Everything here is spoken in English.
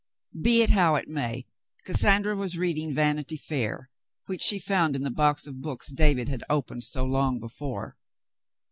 Be it how it may, Cassandra was reading Vanity Fair, which she found in the box of books David had opened so long before.